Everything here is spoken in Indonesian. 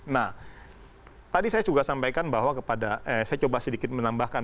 nah tadi saya juga sampaikan bahwa kepada saya coba sedikit menambahkan